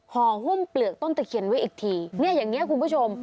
ห่อหุ้มเปลือกต้นตะเคียนไว้อีกทีเนี่ยอย่างนี้คุณผู้ชม